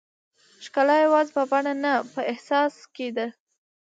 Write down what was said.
ښکلا یوازې په بڼه نه، په احساس کې ده.